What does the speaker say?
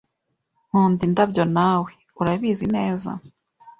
Nkunda indabyo nawe, urabizi neza